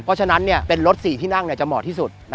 เพราะฉะนั้นเป็นรถ๔ที่นั่งจะเหมาะที่สุด